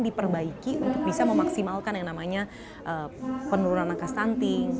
diperbaiki untuk bisa memaksimalkan yang namanya penurunan angka stunting